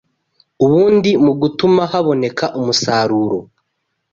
ubundi mu gutuma haboneka umusaruro